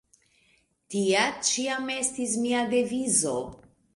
Tia ĉiam estis mia devizo.